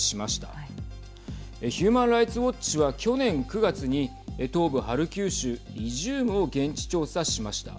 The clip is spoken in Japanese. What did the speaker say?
ヒューマン・ライツ・ウォッチは去年９月に東部ハルキウ州イジュームを現地調査しました。